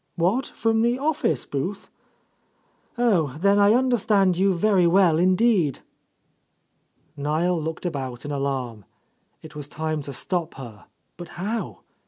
What, from the office booth? Oh, then I under stand you very well indeed 1" Niel looked about in alarm. It was time to stop her, but how?